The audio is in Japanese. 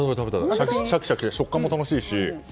シャキシャキしてて食感も楽しいし。